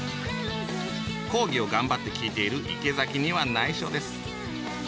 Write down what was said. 講義を頑張って聴いている池崎にはないしょです。